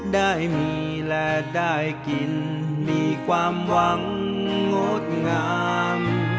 ได้มีและได้กินมีความหวังงดงาม